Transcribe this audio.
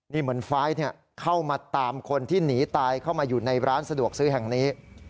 นี่เหมือนไฟล์เข้ามาตามคนที่หนีตายเข้ามาอยู่ในร้านสะดวกซื้อแห่งนี้